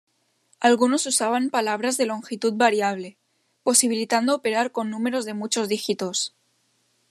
Algunos usaban palabras de longitud variable, posibilitando operar con números de muchos dígitos.